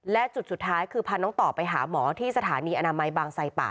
และจุดสุดท้ายคือพาน้องต่อไปหาหมอที่สถานีอนามัยบางไซป่า